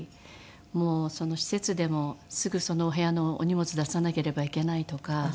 もう施設でもすぐそのお部屋のお荷物出さなければいけないとか。